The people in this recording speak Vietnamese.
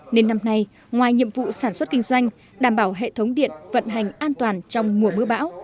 nên năm nay ngoài nhiệm vụ sản xuất kinh doanh đảm bảo hệ thống điện vận hành an toàn trong mùa mưa bão